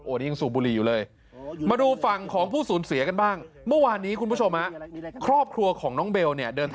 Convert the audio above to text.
โอ้นี่ยังสูบบุหรี่อยู่เลย